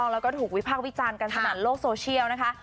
แล้วก็ถูกวิพากษ์วิจารณ์กันสนั่นโลกโซเชียลนะคะ